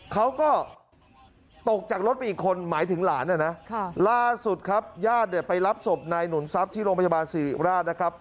เขาก็ตกจากรถไปอีกคนหมายถึงหลานนะนะล่าสุดครับญาติเนี่ยไปรับศพนายหนุนทรัพย์ที่โรงพยาบาลสิริราชนะครับ